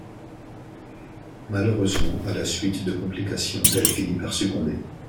Malheureusement, à la suite de complications, elle finit par succomber.